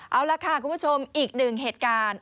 เอาละค่ะคุณผู้ชมอีก๑เหตุการณ์